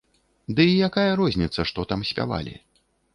Ды і якая розніца, што там спявалі?